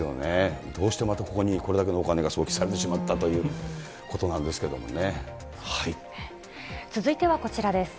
どうしてまたここにこれだけのお金が送金されてしまったというこ続いてはこちらです。